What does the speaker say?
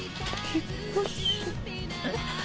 えっ！